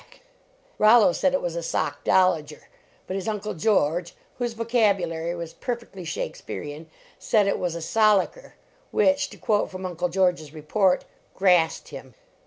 LEARNING TO WORK Rollo said it was a " sockdollager," but his Uncle George, whose vocabulary was per fectly Shakespearean, said it was a " solla ker " which, to quote from Uncle George s report, " grassed him."